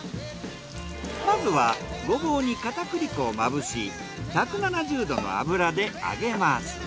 まずはゴボウに片栗粉をまぶし１７０℃の油で揚げます。